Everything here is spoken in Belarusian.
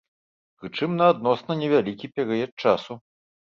Прычым, на адносна невялікі перыяд часу.